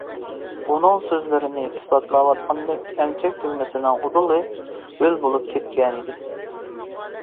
ئۇنىڭ سۆزلىرىنى ئىسپاتلاۋاتقاندەك، ئەمچەك تۈگمىسىنىڭ ئۇدۇلى ھۆل بولۇپ كەتكەنىدى.